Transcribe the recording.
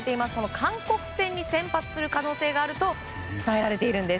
韓国戦に先発する可能性があると伝えられているんです。